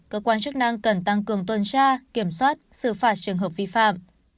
cơ quan chức năng cần tăng cường tuần tra kiểm soát xử phạt trường hợp vi phạm